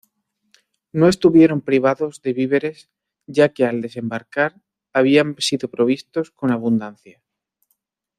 No estuvieron privados de víveres ya que al desembarcar habían sido provistos con abundancia.